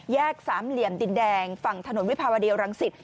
แยกสามเหลี่ยมดินแดงฝั่งถนนวิภาวดีอลังศิษฐ์